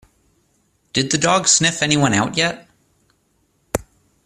Did the dog sniff anyone out yet?